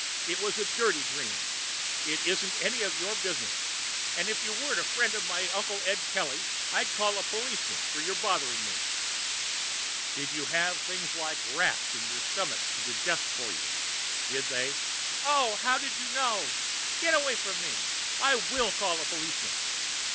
It was a dirty dream. It isn't any of your business. If you weren't a friend of my Uncle Ed Kelly, I'd call a policeman for your bothering me." "Did you have things like live rats in your stomach to digest for you? Did they " "Oh! How did you know? Get away from me. I will call a policeman.